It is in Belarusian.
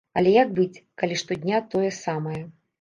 Але як быць, калі штодня тое самае?